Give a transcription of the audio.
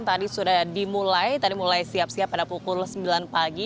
tadi sudah dimulai tadi mulai siap siap pada pukul sembilan pagi